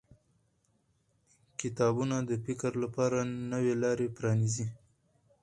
کتابونه د فکر لپاره نوې لارې پرانیزي